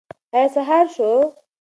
ایا سهار شو؟